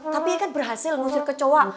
tapi kan berhasil ngusir ke cowok